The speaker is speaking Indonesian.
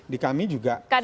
di kami juga